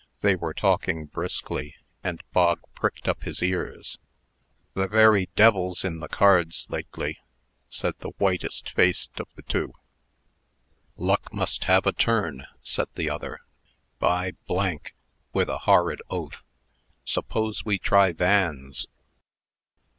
They were talking briskly, and Bog pricked up his ears. "The very d l's in the cards lately," said the whitest faced of the two. "Luck must have a turn," said the other. "By " (with a horrid oath), "suppose we try Van's?"